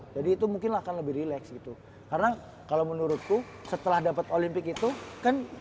jadi itu mungkin akan lebih rileks itu karena kalau menurutku setelah dapat olimpik itu kan